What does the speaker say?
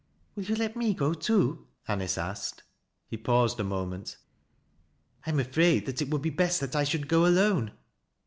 " Will you let me go too ?" Anice asked. He paused a moment. " I am afraid that it would be best that I should go alone."